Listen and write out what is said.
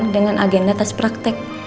dengan agenda tes praktek